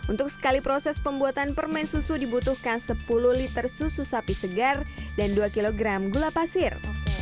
untuk sekali proses pembuatan permen susu dibutuhkan sepuluh liter susu sapi segar dan dua kg gula pasir